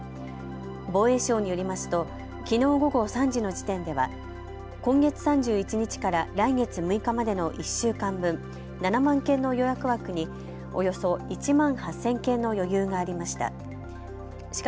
防衛省によりますときのう午後３時の時点では今月３１日から来月６日までの１週間分、７万件の予約枠におよそ１万８０００件の余裕がありました。